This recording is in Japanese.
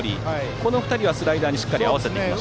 この２人はスライダーにしっかり合わせていました。